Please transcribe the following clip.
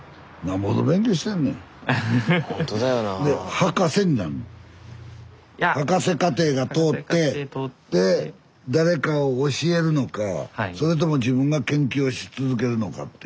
博士課程が通ってで誰かを教えるのかそれとも自分が研究し続けるのかですよね。